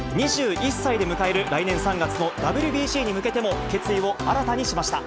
２１歳で迎える来年３月のＷＢＣに向けても、決意を新たにしました。